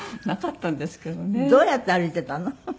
どうやって歩いてたの？